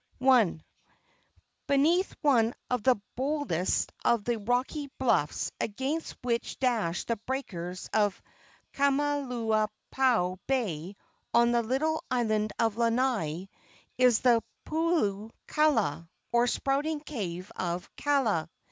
I. Beneath one of the boldest of the rocky bluffs against which dash the breakers of Kaumalapau Bay, on the little island of Lanai, is the Puhio Kaala, or "Spouting Cave of Kaala."